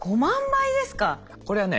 これはね